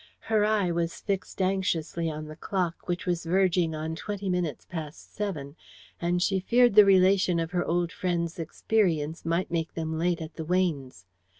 Her eye was fixed anxiously on the clock, which was verging on twenty minutes past seven, and she feared the relation of her old friend's experience might make them late at the Weynes.